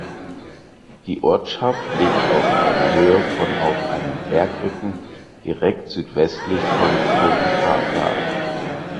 Die Ortschaft liegt auf einer Höhe von auf einem Bergrücken direkt südwestlich von Coripata.